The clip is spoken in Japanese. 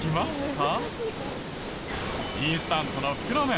インスタントの袋麺。